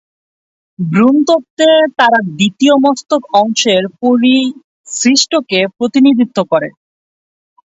ভ্রূণতত্ত্বে, তারা দ্বিতীয় মস্তক অংশের পরিশিষ্টকে প্রতিনিধিত্ব করে।